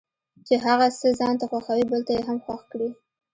چې هغه څه ځانته خوښوي بل ته یې هم خوښ کړي.